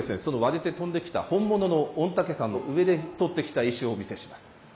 そのわれて飛んできた本物の御嶽山の上で取ってきた石をお見せします。